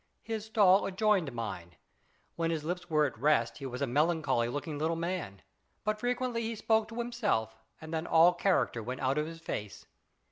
His stall adjoined mine. When his lips were at rest he was a melancholy looking little man, but frequently he spoke to himself, and then all character went out of his face.